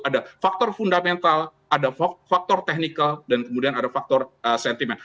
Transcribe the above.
ada faktor fundamental ada faktor technical dan kemudian ada faktor sentimen